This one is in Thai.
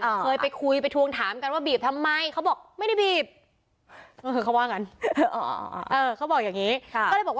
เคยไปคุยไปทวงถามกันว่าบีบทำไมเขาบอกไม่ได้บีบ